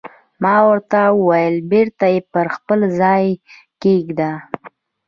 ما ورته وویل: بېرته یې پر خپل ځای کېږده.